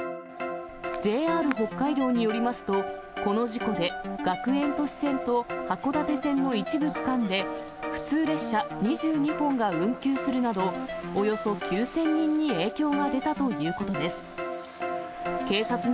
ＪＲ北海道によりますと、この事故で学園都市線と函館線の一部区間で、普通列車２２本が運休するなど、およそ９０００人に影響が出たということです。